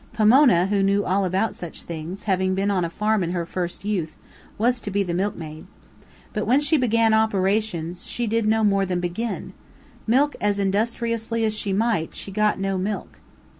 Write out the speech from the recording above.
Pomona, who knew all about such things, having been on a farm in her first youth, was to be the milkmaid. But when she began operations, she did no more than begin. Milk as industriously as she might, she got no milk.